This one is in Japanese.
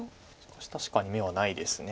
しかし確かに眼はないです。